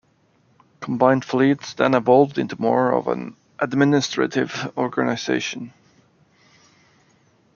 Combined Fleet then evolved into more of an administrative organization.